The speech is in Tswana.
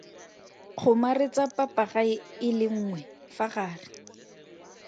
Kgomaretsa papagae e le nngwe fa gare.